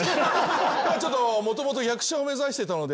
もともと役者を目指してたので。